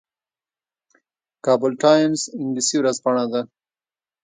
کابل ټایمز انګلیسي ورځپاڼه ده